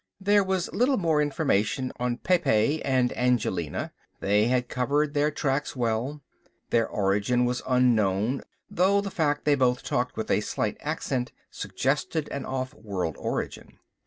There was little more information on Pepe and Angelina, they had covered their tracks well. Their origin was unknown, though the fact they both talked with a slight accent suggested an off world origin.